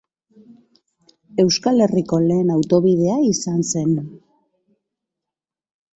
Euskal Herriko lehen autobidea izan zen.